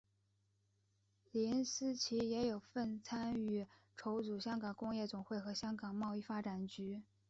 林思齐也有份参与筹组香港工业总会和香港贸易发展局。